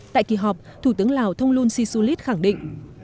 tại kỳ họp thủ tướng lào thông luân si su lít khẳng định